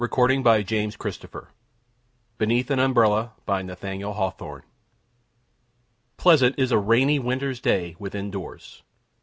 TWICE TOLD TALES NIGHT SKETCHES BENEATH AN UMBRELLA By Nathaniel Hawthorne Pleasant is a rainy winter's day, within doors!